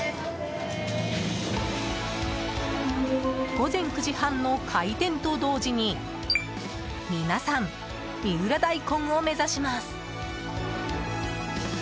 午前９時半の開店と同時に皆さん、三浦大根を目指します。